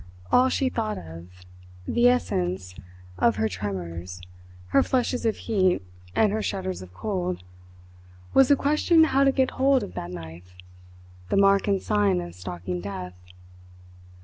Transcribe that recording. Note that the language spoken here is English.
All she thought of the essence of her tremors, her flushes of heat, and her shudders of cold was the question how to get hold of that knife, the mark and sign of stalking death.